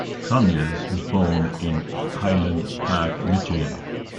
Conyers was born in Highland Park, Michigan.